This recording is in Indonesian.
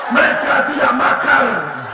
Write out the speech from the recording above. mereka tidak makar